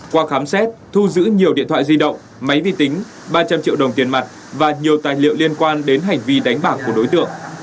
qua khám xét thu giữ nhiều điện thoại di động máy vi tính ba trăm linh triệu đồng tiền mặt và nhiều tài liệu liên quan đến hành vi đánh bạc của đối tượng